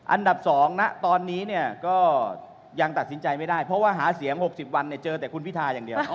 อันดับ๒นะตอนนี้เนี่ยก็ยังตัดสินใจไม่ได้เพราะว่าหาเสียง๖๐วันเจอแต่คุณพิทาอย่างเดียว